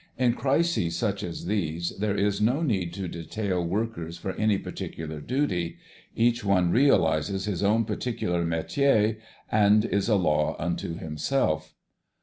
In crises such as these there is no need to detail workers for any particular duty. Each one realises his own particular metier and is a law unto himself.